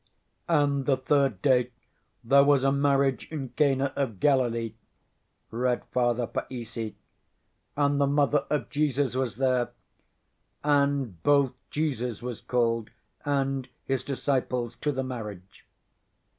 "And the third day there was a marriage in Cana of Galilee;" read Father Païssy. "_And the mother of Jesus was there; And both Jesus was called, and his disciples, to the marriage.